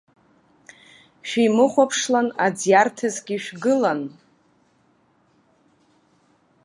Шәимыхәаԥшлан аӡ иарҭазгьы шәгылан!